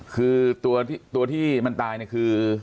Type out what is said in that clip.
คือตัวที่มันตายเนี่ยคือ